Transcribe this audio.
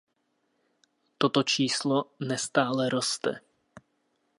Toto číslo nestále roste.